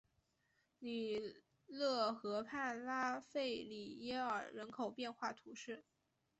里勒河畔拉费里耶尔人口变化图示